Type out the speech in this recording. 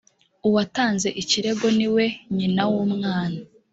uwatanze ikirego ni we nyina w’umwana